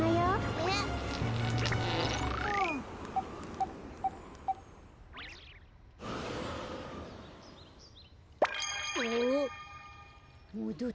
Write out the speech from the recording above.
えっ？おっ。